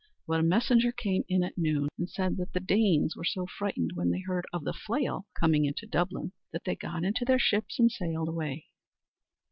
But a messenger came in at noon, and said that the Danes were so frightened when they heard of the flail coming into Dublin that they got into their ships and sailed away.